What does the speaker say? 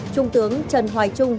trung tướng trần hoài trung